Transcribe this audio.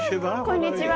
こんにちは。